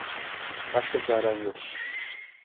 Başka çaren yok.